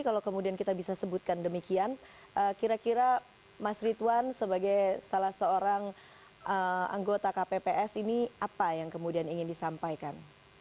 kalau kemudian kita bisa sebutkan demikian kira kira mas ritwan sebagai salah seorang anggota kpps ini apa yang kemudian ingin disampaikan